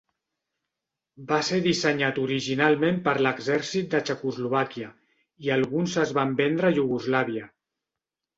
Va ser dissenyat originalment per l’exèrcit de Txecoslovàquia, i alguns es van vendre a Iugoslàvia.